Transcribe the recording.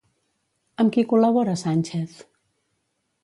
Amb qui col·labora Sànchez?